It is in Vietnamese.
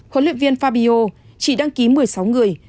huấn luyện viên fabio chỉ đăng ký một mươi sáu người